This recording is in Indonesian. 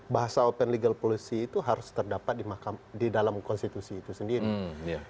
bahasa open legal policy itu harus terdapat di dalam konstitusi itu sendiri